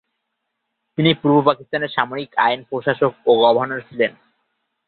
তিনি পূর্ব পাকিস্তানের সামরিক আইন প্রশাসক ও গভর্নর ছিলেন।